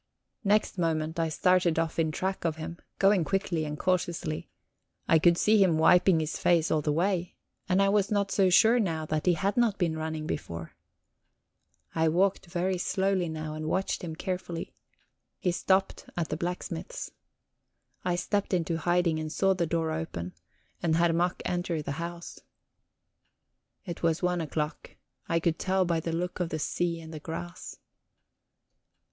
Next moment I started off in track of him, going quickly and cautiously; I could see him wiping his face all the way, and I was not so sure now that he had not been running before. I walked very slowly now, and watched him carefully; he stopped at the blacksmith's. I stepped into hiding, and saw the door open, and Herr Mack enter the house. It was one o'clock; I could tell by the look of the sea and the grass.